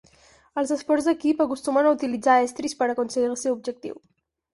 Els esports d'equip acostumen a utilitzar estris per aconseguir el seu objectiu.